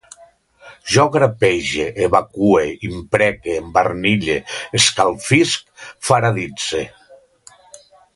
Jo grapege, evacue, impreque, embarnille, escalfisc, faraditze